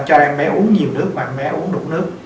cho em bé uống nhiều nước và em bé uống đủ nước